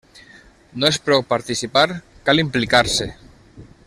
No és prou participar, cal implicar-se.